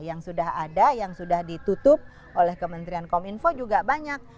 yang sudah ada yang sudah ditutup oleh kementerian kominfo juga banyak